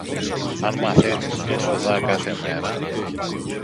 Αν μαθαίνεις τόσο δα κάθε μέρα